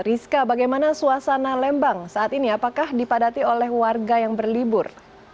rizka bagaimana suasana lembang saat ini apakah dipadati oleh warga yang berlibur